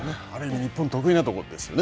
日本、得意なところですよね。